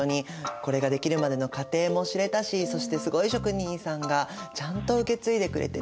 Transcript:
これが出来るまでの過程も知れたしそしてすごい職人さんがちゃんと受け継いでくれてる。